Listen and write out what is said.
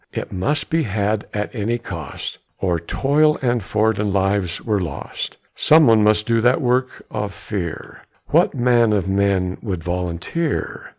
It must be had at any cost, Or toil and fort and lives were lost. Some one must do that work of fear; What man of men would volunteer?